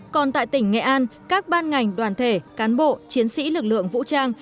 còn tại tỉnh nghệ an các ban ngành đoàn thể cán bộ chiến sĩ lực lượng vũ trang